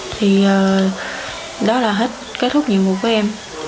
thì đó là hết kết thúc nhiệm vụ của em